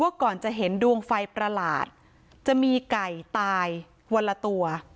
ก่อนจะเห็นดวงไฟประหลาดจะมีไก่ตายวันละตัว